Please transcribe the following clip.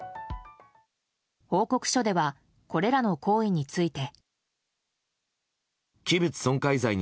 報告書ではこれらの行為について。